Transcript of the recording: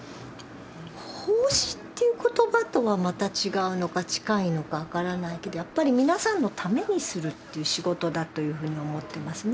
奉仕っていう言葉とはまた違うのか近いのか分からないけどやっぱり皆さんのためにするっていう仕事だというふうに思ってますね